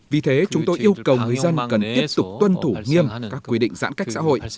vì thế chúng tôi yêu cầu người dân cần tiếp tục tuân thủ nghiêm các quy định giãn cách xã hội